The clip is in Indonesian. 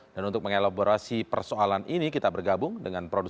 dan untuk mengelaborasi persoalan ini kita bergabung dengan pak nof